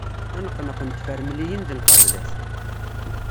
Aneqneq n tefremliyin d lqablat.